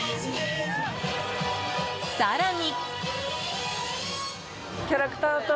更に！